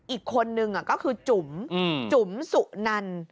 อีกคนนึงก็คือจุ๋มจุ๋มสุนัน